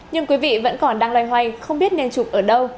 nhưng quý vị vẫn còn đang loay hoay không biết nên chụp ở đâu